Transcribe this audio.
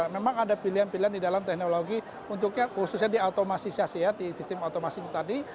memang ada pilihan pilihan di dalam teknologi khususnya di otomasi syas ya di sistem otomasi tadi